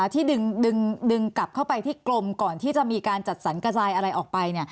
ที่ดึงกลับเข้าไปที่กลมก่อนที่จะมีการจัดสรรกระจายอะไรออกไป